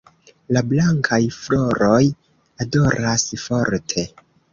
La blankaj floroj odoras forte.